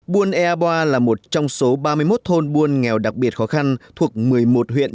buôn ea boa là một trong số ba mươi một thôn buôn nghèo đặc biệt khó khăn thuộc một mươi một huyện